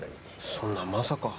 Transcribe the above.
そんなまさか。